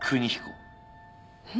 えっ？